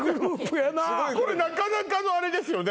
すごいこれなかなかのアレですよね